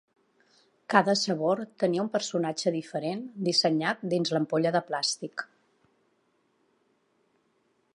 Cada sabor tenia un personatge diferent dissenyat dins l'ampolla de plàstic.